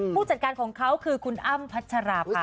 ผู้จัดการของเขาคือคุณอ้ำพัชราภา